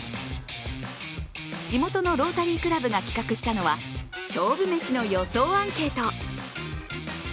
地元のロータリークラブが企画したのは勝負めしの予想アンケート。